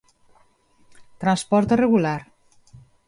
Transporte regular.